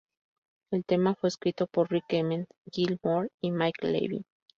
El tema fue escrito por Rik Emmett, Gil Moore y Mike Levine.